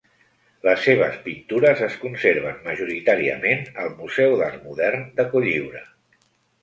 Les seves pintures es conserven majoritàriament al Museu d'Art Modern de Cotlliure.